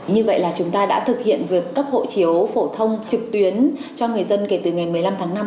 như vậy là chúng ta đã thực hiện việc cấp hộ chiếu phổ thông trực tuyến cho người dân kể từ ngày một mươi năm tháng năm